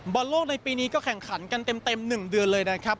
บอลโลกในปีนี้ก็แข่งขันกันเต็ม๑เดือนเลยนะครับ